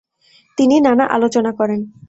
তিনি নানা আলোচনা করেন।